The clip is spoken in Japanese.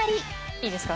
いいですか？